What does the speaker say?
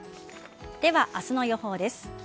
では、明日の予報です。